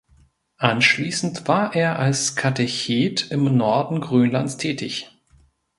Anschließend war er als Katechet im Norden Grönlands tätig.